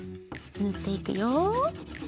ぬっていくよ！